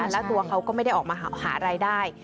แล้วตัวเขาก็ไม่ได้ออกมาหารายได้